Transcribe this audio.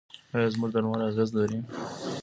آیا زموږ درمل اغیز لري؟